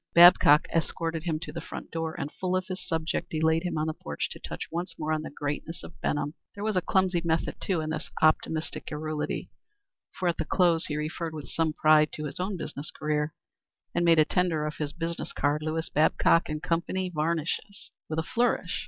Babcock escorted him to the front door and full of his subject delayed him on the porch to touch once more on the greatness of Benham. There was a clumsy method too in this optimistic garrulity, for at the close he referred with some pride to his own business career, and made a tender of his business card, "Lewis Babcock & Company, Varnishes," with a flourish.